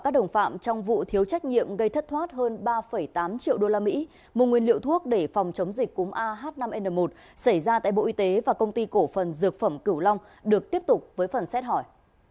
được tiếp tục với phần xét hỏi